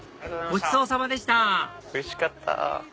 ごちそうさまでしたおいしかった！